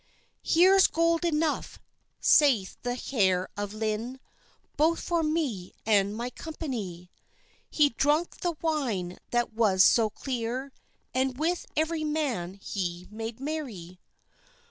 "Heeres gold enough," saithe the heire of Lynne, "Both for me and my company." He drunke the wine that was so cleere, And with every man he made merry.